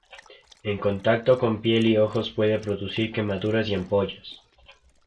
En contacto con piel y ojos puede producir quemaduras y ampollas.